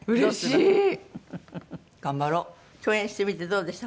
共演してみてどうでした？